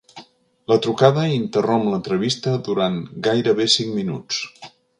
La trucada interromp l'entrevista durant gairebé cinc minuts.